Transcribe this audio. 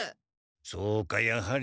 そうかやはり。